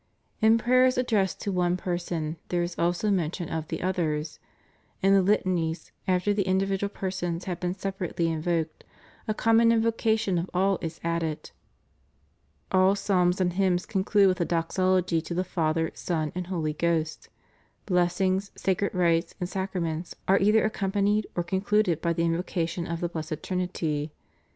In prayers addressed to one person, there is also mention of the others; in the litanies, after the individual persons have been separately invoked, a conmion invocation of all is added; all psalms and hymns conclude with the doxology to the Father, Son, and Holy Ghost; blessings, sacred rites, and sacra ments are either accompanied or concluded by the invoca tion of the Blessed Trinity.